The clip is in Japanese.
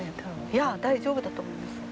いや大丈夫だと思いますよ。